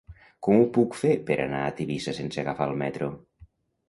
Com ho puc fer per anar a Tivissa sense agafar el metro?